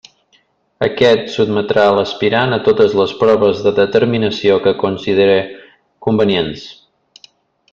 Aquest sotmetrà l'aspirant a totes les proves de determinació que considere convenients.